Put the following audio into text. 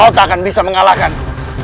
kau tak akan bisa mengalahkan